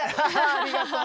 ありがとう。